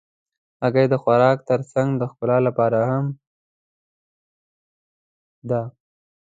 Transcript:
هګۍ د خوراک تر څنګ د ښکلا لپاره هم ده.